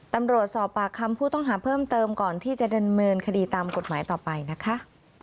ตำรวจสอบปากคำผู้ต้องหาเพิ่มเติมก่อนที่จะดำเนินคดีตามกฎหมายต่อไปนะคะ